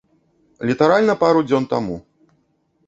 Літаральна пару дзён таму.